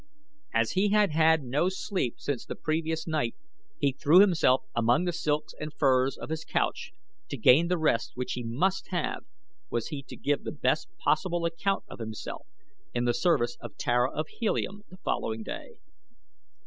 As he had had no sleep since the previous night he threw himself among the silks and furs of his couch to gain the rest which he must have, was he to give the best possible account of himself in the service of Tara of Helium the following day.